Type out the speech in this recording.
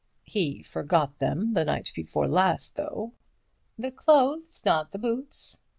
"He forgot them the night before last, though." "The clothes, not the boots.